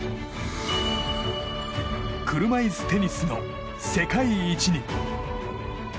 車いすテニスの世界一に。